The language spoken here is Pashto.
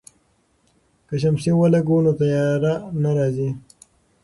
که شمسی ولګوو نو تیاره نه راځي.